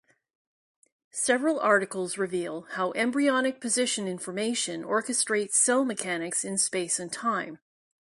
Several articles reveal how embryonic position information orchestrates cell mechanics in space and time.